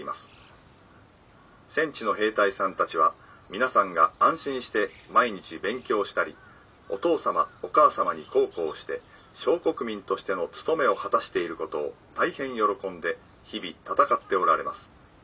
戦地の兵隊さんたちは皆さんが安心して毎日勉強したりお父様お母様に孝行をして少国民としての務めを果たしている事を大変喜んで日々戦っておられます。